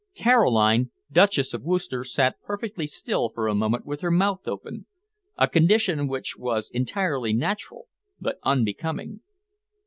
Caroline, Duchess of Worcester, sat perfectly still for a moment with her mouth open, a condition which was entirely natural but unbecoming.